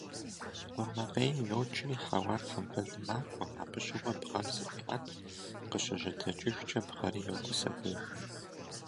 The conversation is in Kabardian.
Къурмакъейм йокӀри хьэуар тхъэмбылым макӀуэ, абы щыгъуэ бгъэм зыкъеӀэт, къыщыжьэдэкӀыжкӀэ бгъэри йотӀысэхыж.